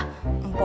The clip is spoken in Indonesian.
boma emang cakep